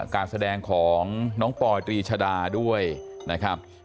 การแสดงของน้องปอยตรีชดาด้วยนะครับ